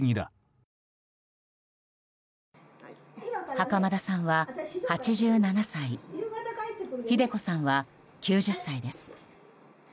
袴田さんは８７歳ひで子さんは９０歳です。